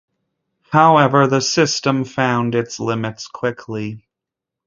However, the system found its limits quickly.